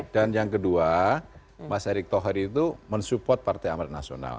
dan yang kedua mas erick thohir itu mensupport partai amanat nasional